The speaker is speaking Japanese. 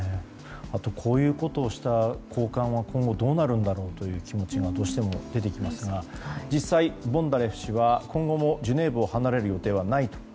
こういうことをした高官は今後どうなるんだろうという気持ちがどうしても出てきますが実際、ボンダレフ氏は今後もジュネーブを離れる予定はないと。